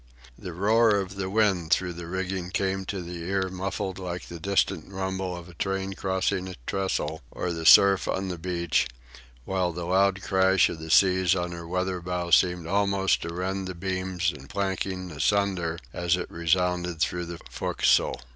The roar of the wind through the rigging came to the ear muffled like the distant rumble of a train crossing a trestle or the surf on the beach, while the loud crash of the seas on her weather bow seemed almost to rend the beams and planking asunder as it resounded through the fo'castle.